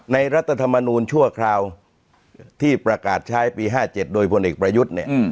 รัฐธรรมนูญชั่วคราวที่ประกาศใช้ปี๕๗โดยพลเอกประยุทธ์เนี่ย